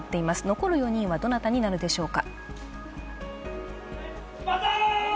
残る４人はどなたになるでしょうか。